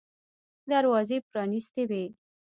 دروازې پرانیستې وې.